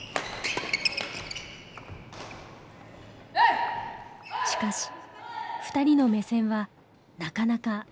しかし２人の目線はなかなか合いません。